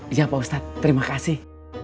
iya pak ustadz terima kasih